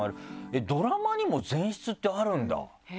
ドラマにも前室ってあるんだ。